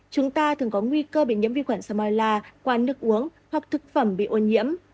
chúng ta thường có nguy cơ bị nhiễm vi khuẩn samola quán nước uống hoặc thực phẩm bị ô nhiễm